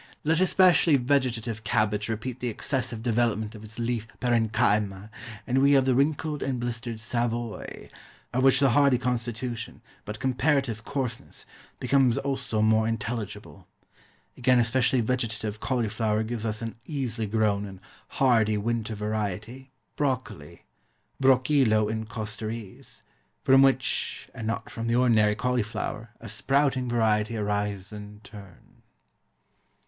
Let a specially vegetative cabbage repeat the excessive development of its leaf parenchyma, and we have the wrinkled and blistered SAVOY, of which the hardy constitution, but comparative coarseness, become also more intelligible; again a specially vegetative cauliflower gives us an easily grown and hardy winter variety, BROCCOLI" Broccilo in Costerese "from which, and not from the ordinary cauliflower, a sprouting variety arises in turn."